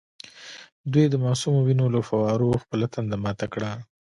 دوی د معصومو وینو له فووارو خپله تنده ماته کړه.